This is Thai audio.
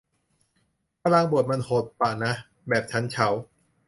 พลังบวกมันหดปะนะ แบบ ฉันเฉา